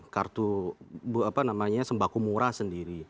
kartu apa namanya sembako murah sendiri